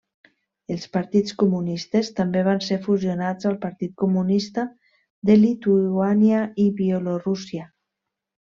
Els partits comunistes també van ser fusionats al Partit Comunista de Lituània i Bielorússia.